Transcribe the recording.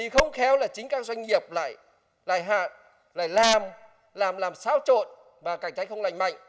doanh nghiệp lại làm làm làm sao trộn và cạnh tranh không lành mạnh